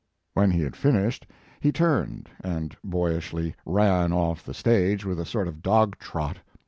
When he had finished, he turned and boyishly ran off the stage, with a sort of dog trot.